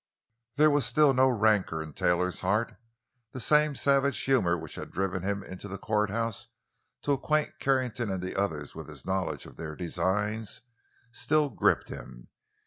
There was still no rancor in Taylor's heart; the same savage humor which had driven him into the courthouse to acquaint Carrington and the others with his knowledge of their designs, still gripped him.